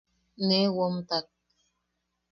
Nee womtak.